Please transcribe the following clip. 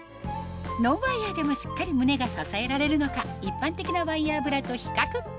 ノンワイヤーでもしっかり胸が支えられるのか一般的なワイヤーブラと比較